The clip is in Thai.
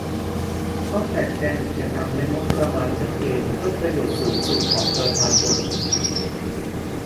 ต้องแจกแจงกิจกรรมและงบประมาณชัดเจนเพื่อประโยชน์สูงสุดของประชาชน